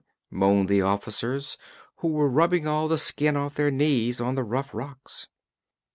moaned the officers, who were rubbing all the skin off their knees on the rough rocks.